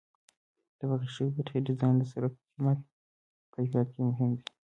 د پخې شوې برخې ډیزاین د سرک په کیفیت کې مهم دی